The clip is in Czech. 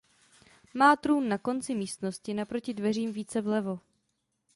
Má trůn na konci místnosti naproti dveřím více vlevo.